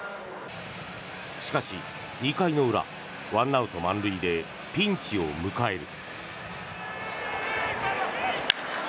しかし、２回の裏１アウト満塁でピンチを迎える。